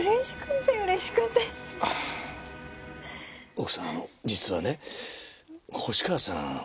奥さんあの実はね星川さん